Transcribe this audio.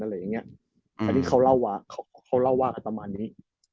อันนี้เขาเล่าว่าก็ประมาณนี้